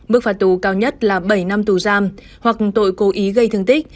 mức phạt tù cao nhất là bảy năm tù giam hoặc tội cố ý gây thương tích